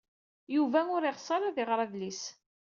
Yuba ur yeɣs ara ad iɣer adlis.